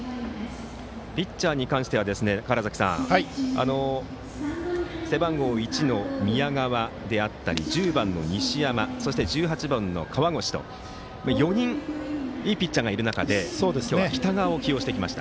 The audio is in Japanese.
ピッチャーに関しては川原崎さん背番号１の宮川であったり１０番の西山そして１８番の河越と４人、いいピッチャーがいる中で今日は北川を起用してきました。